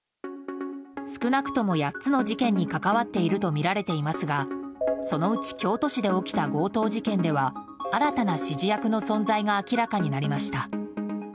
少なくとも８つの事件に関わっているとみられていますがそのうち京都市で起きた強盗事件では新たな指示役の存在が明らかになりました。